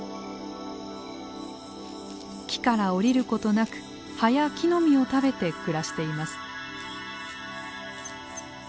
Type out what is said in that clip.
木から下りることなく葉や木の実を食べて暮らしています。